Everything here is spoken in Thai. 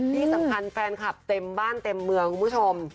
นี่สำคัญแฟนคลับเต็มบ้านเต็มเมืองคุณผู้ชม